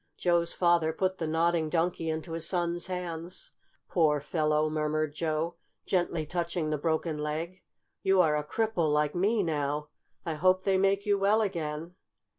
Joe's father put the Nodding Donkey into his son's hands. "Poor fellow!" murmured Joe, gently touching the broken leg. "You are a cripple like me, now. I hope they make you well again."